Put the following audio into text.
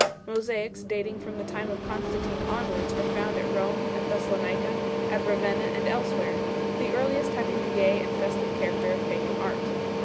Mosaics dating from the time of Constantine onwards are found at Rome, at Thessalonica, at Ravenna, and else where ; the earliest having the gay and festive character of pagan art.